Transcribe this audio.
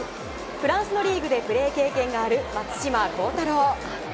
フランスのリーグでプレー経験がある松島幸太朗。